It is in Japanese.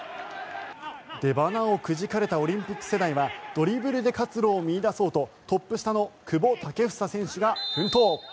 出ばなをくじかれたオリンピック世代はドリブルで活路を見いだそうとトップ下の久保建英選手が奮闘。